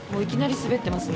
滑っていますね。